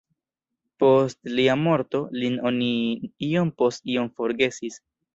Post lia morto, lin oni iom post iom forgesis.